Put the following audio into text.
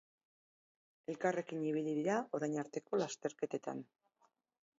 Elkarrekin ibili dira orain arteko lasterketetan.